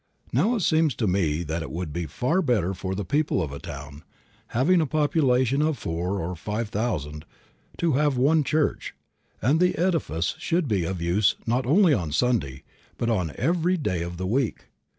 Now, it seems to me that it would be far better for the people of a town, having a population of four or five thousand, to have one church, and the edifice should be of use, not only on Sunday, but on every day of the week.